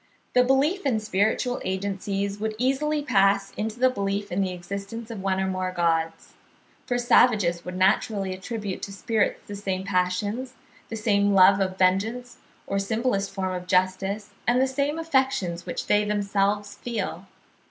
The belief in spiritual agencies would easily pass into the belief in the existence of one or more gods. For savages would naturally attribute to spirits the same passions, the same love of vengeance or simplest form of justice, and the same affections which they themselves feel.